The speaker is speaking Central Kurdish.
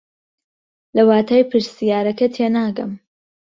لە واتای پرسیارەکە تێناگەم.